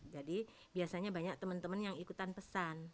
jadi biasanya banyak temen temen yang ikutan pesan